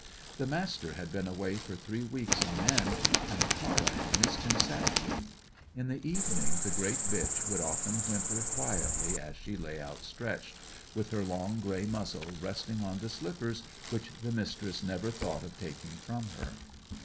The Master had been away for three weeks on end, and Tara had missed him sadly. In the evening the great bitch would often whimper quietly as she lay outstretched, with her long, grey muzzle resting on the slippers which the Mistress never thought of taking from her.